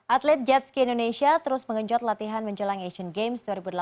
atlet jetski indonesia terus mengenjot latihan menjelang asian games dua ribu delapan belas